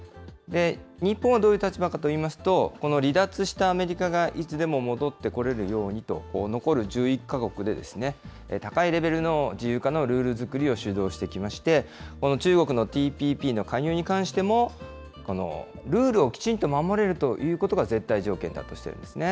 日本はどういう立場かといいますと、この離脱したアメリカがいつでも戻ってこれるようにと、残る１１か国で高いレベルの自由化のルール作りを主導してきまして、この中国のＴＰＰの加入に関しても、ルールをきちんと守れるということが絶対条件だとしているんですね。